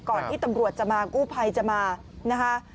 ที่ตำรวจจะมากู้ภัยจะมานะคะ